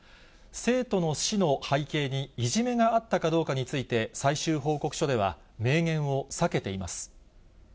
生徒の死の背景に、いじめがあったかどうかについて、最終報告書では明言を避けています。